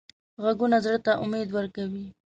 غږونه زړه ته امید ورکوي